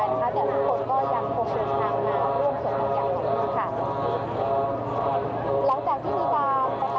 ซึ่งบรรยากาศตลอดทั้งวันสิทธิ์ยานุสิทธิ์หลุดต่อวัดพระธรรมกาย